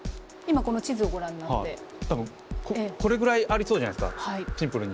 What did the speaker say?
多分これぐらいありそうじゃないっすかシンプルに。